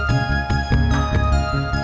ini belanjanya saya yang bawa